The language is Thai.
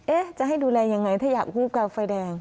จะให้ดูแลยังไงถ้าอยากหูบกาวไฟแดง